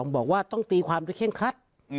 บอกว่าต้องตีความด้วยเคร่งครัด